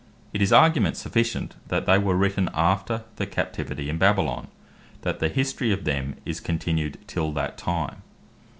It is argument sufficient they were written after the captivity in Babylon, that the History of them is continued till that time.